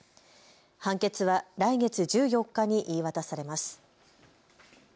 判決は来月１４日に言い渡されます。